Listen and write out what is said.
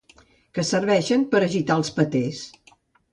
Que serveixen per agitar els patès.